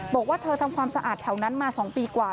บอกว่าเธอทำความสะอาดแถวนั้นมา๒ปีกว่า